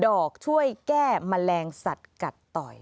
ดอกช่วยแก้แมลงสัตว์กัดต่อย